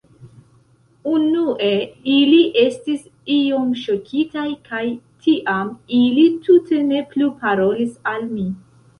Unue ili estis iom ŝokitaj kaj tiam ili tute ne plu parolis al mi.